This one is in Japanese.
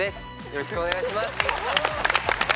よろしくお願いします。